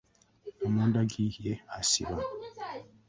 Namundagi ye asiba.